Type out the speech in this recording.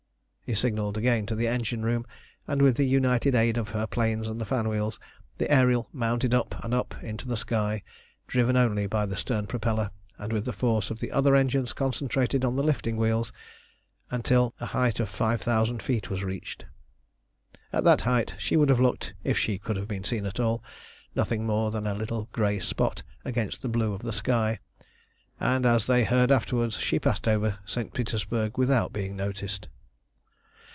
He signalled again to the engine room, and with the united aid of her planes and fan wheels the Ariel mounted up and up into the sky, driven only by the stern propeller and with the force of the other engines concentrated on the lifting wheels, until a height of five thousand feet was reached. At that height she would have looked, if she could have been seen at all, nothing more than a little grey spot against the blue of the sky, and as they heard afterwards she passed over St. Petersburg without being noticed.